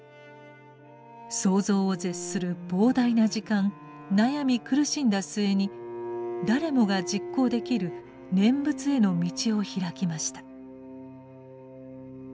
想像を絶する膨大な時間悩み苦しんだ末に誰もが実行できる念仏への道を開きました。